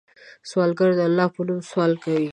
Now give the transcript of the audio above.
سوالګر د الله په نوم سوال کوي